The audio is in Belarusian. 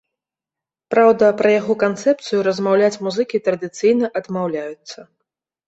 Праўда, пра яго канцэпцыю размаўляць музыкі традыцыйна адмаўляюцца.